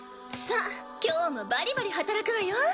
さあ今日もバリバリ働くわよ！